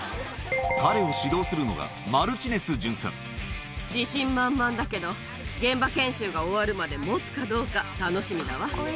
彼を指導するのがマルチネス自信満々だけど、現場研修が終わるまでもつかどうか、楽しみだわ。